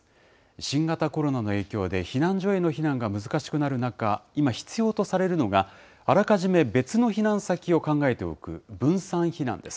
新型コロナの影響で避難所への避難が難しくなる中、今、必要とされるのが、あらかじめ別の避難先を考えておく分散避難です。